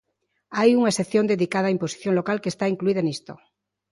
Hai unha sección dedicada á imposición local que está incluída nisto.